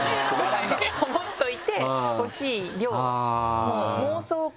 思っといてほしい量。